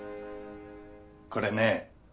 これね